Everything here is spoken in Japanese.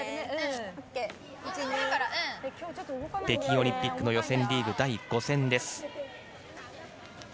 北京オリンピックの予選リーグ第５戦です。